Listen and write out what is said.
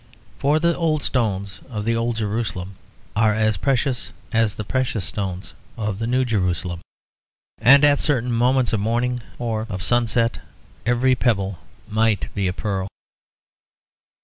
For the old stones of the old Jerusalem are as precious as the precious stones of the New Jerusalem; and at certain moments of morning or of sunset, every pebble might be a pearl.